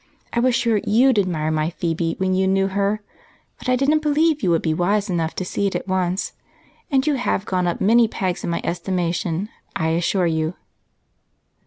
I was sure you'd admire my Phebe when you knew her, but I didn't believe you would be wise enough to see it at once, and you have gone up many pegs in my estimation, I assure you."